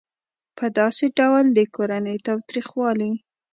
په داسې ډول د کورني تاوتریخوالي